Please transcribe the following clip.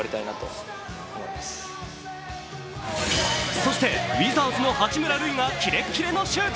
そして、ウィザーズの八村塁がキレッキレのシュート。